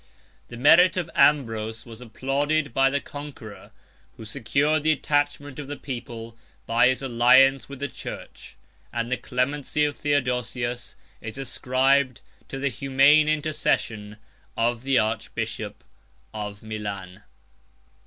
The merit of Ambrose was applauded by the conqueror, who secured the attachment of the people by his alliance with the church; and the clemency of Theodosius is ascribed to the humane intercession of the archbishop of Milan.